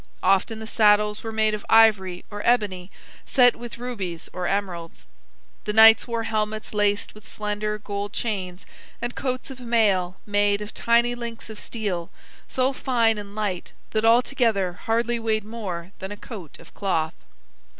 Often the saddles were made of ivory or ebony, set with rubies or emeralds. The knights wore helmets laced with slender gold chains, and coats of mail made of tiny links of steel, so fine and light that all together hardly weighed more than a coat of cloth.